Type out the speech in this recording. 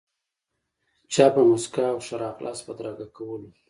چا په موسکا او ښه راغلاست بدرګه کولو.